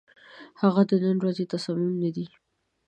هغه د نن ورځ تصامیم نه دي،